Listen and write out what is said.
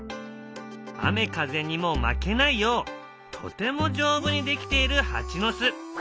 雨風にも負けないようとても丈夫にできているハチの巣。